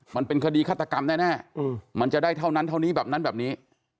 มันเป็นคดีฆาตกรรมแน่มันจะได้เท่านั้นเท่านี้แบบนั้นแบบนี้